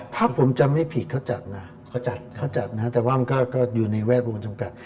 ถ้าผมจำไม่ผิดเขาจัดนะเขาจัดเขาจัดนะแต่ว่ามันก็อยู่ในแวดวงจำกัด